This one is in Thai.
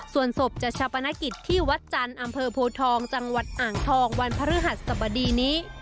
ส่วนศพจะชาปนกิจที่วัดจันทร์อำเภอโพทองจังหวัดอ่างทองวันพฤหัสสบดีนี้